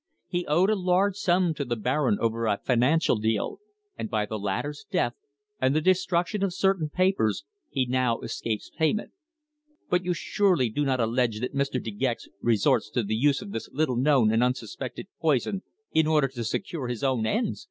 "He owed a large sum to the Baron over a financial deal, and by the latter's death, and the destruction of certain papers, he now escapes payment." "But you surely do not allege that Mr. De Gex resorts to the use of this little known and unsuspected poison in order to secure his own ends!"